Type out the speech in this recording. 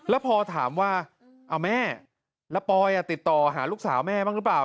แล้วพอถามว่าเอาแม่แล้วปอยติดต่อหาลูกสาวแม่บ้างหรือเปล่า